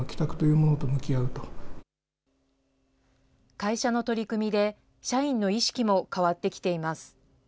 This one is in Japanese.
会社の取り組みで、社員の意識も変わってきています。